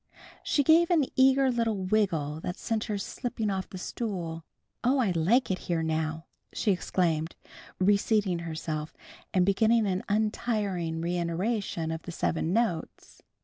She gave an eager little wiggle that sent her slipping off the stool. "Oh, I like it here, now," she exclaimed, reseating herself and beginning an untiring reiteration of the seven notes.